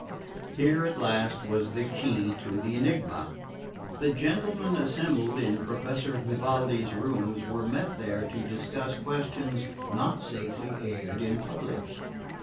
Here at last was the key to the enigma. The gentlemen assembled in Professor Vivaldi's rooms were met there to discuss questions not safely aired in public.